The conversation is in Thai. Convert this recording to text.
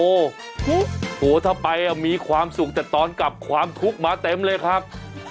โอ้โหถ้าไปมีความสุขแต่ตอนกลับความทุกข์มาเต็มเลยครับ